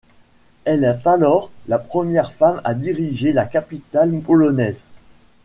Elle est alors la première femme à diriger la capitale polonaise.